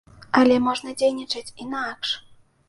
Але можна дзейнічаць інакш.